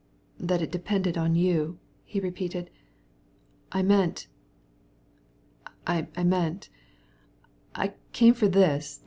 "That it depended on you," he repeated. "I meant to say ... I meant to say ... I came for this